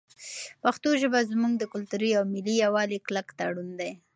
پښتو ژبه زموږ د کلتوري او ملي یووالي کلک تړون دی.